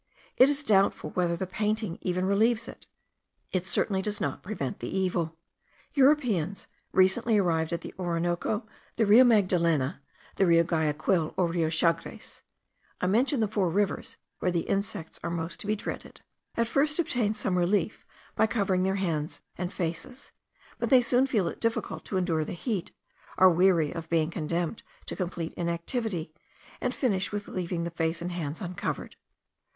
It is doubtful whether the painting even relieves: it certainly does not prevent the evil. Europeans, recently arrived at the Orinoco, the Rio Magdalena, the river Guayaquil, or Rio Chagres (I mention the four rivers where the insects are most to be dreaded) at first obtain some relief by covering their faces and hands, but they soon feel it difficult to endure the heat, are weary of being condemned to complete inactivity, and finish with leaving the face and hands uncovered.